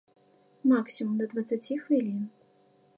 Максімум да дваццаці хвілін.